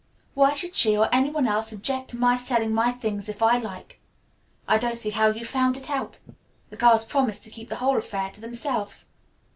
Why should she or any one else object to my selling my things, if I like? I don't see how you found it out. The girls promised to keep the whole affair to themselves.